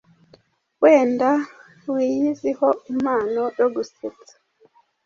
wenda wiyiziho impano yo gusetsa